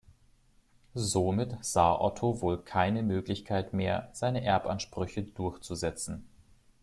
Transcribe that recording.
Somit sah Otto wohl keine Möglichkeit mehr, seine Erbansprüche durchzusetzen.